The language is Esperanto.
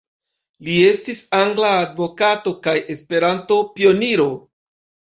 Li estis angla advokato kaj Esperanto-pioniro.